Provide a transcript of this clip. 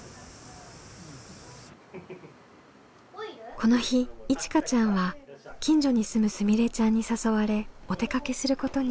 この日いちかちゃんは近所に住むすみれちゃんに誘われお出かけすることに。